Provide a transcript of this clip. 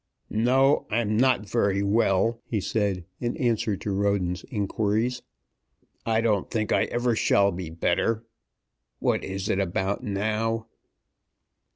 "No, I'm not very well," he said in answer to Roden's inquiries. "I don't think I ever shall be better. What is it about now?"